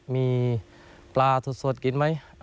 มีปลาสดกินไหม